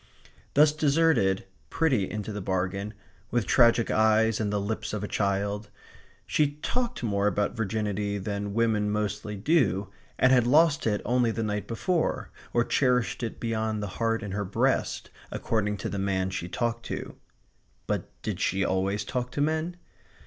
Thus deserted, pretty into the bargain, with tragic eyes and the lips of a child, she talked more about virginity than women mostly do; and had lost it only the night before, or cherished it beyond the heart in her breast, according to the man she talked to. But did she always talk to men?